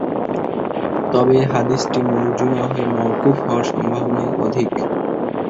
তবে এ হাদীসটি মরযূ না হয়ে মওকূফ হওয়ার সম্ভাবনাই অধিক।